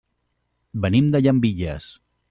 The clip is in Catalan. Venim de Llambilles.